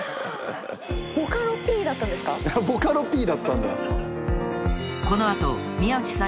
ボカロＰだったんだ。